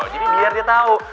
jadi biar dia tahu